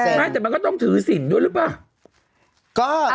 ไม่แต่มันก็ต้องถือสินด้วยหรือเปล่า